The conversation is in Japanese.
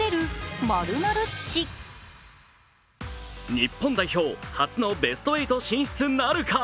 日本代表、初のベスト８進出なるか。